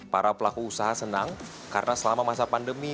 para pelaku usaha senang karena selama masa pandemi